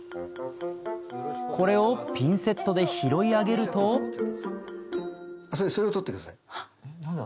これをピンセットで拾い上げるとそれを取ってください。